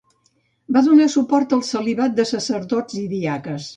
Va donar suport al celibat de sacerdots i diaques.